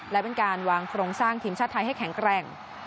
และเป็นการวางโครงสร้างทีมชาติไทยให้แข็งแกร่ง